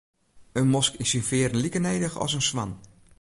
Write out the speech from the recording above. In mosk is syn fearen like nedich as in swan.